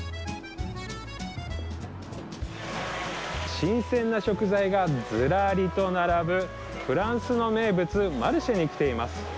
新鮮な食材がずらりと並ぶフランスの名物のマルシェに来ています。